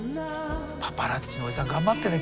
パパラッチのおじさん頑張ってね。